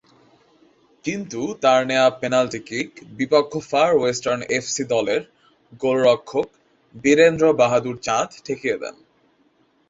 কিন্তু তার নেয়া পেনাল্টি কিক, বিপক্ষ ফার ওয়েস্টার্ন এফসি দলের গোলরক্ষক বীরেন্দ্র বাহাদুর চাঁদ ঠেকিয়ে দেন।